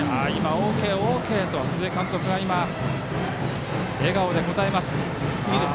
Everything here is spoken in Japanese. ＯＫ、ＯＫと須江監督が笑顔で答えます。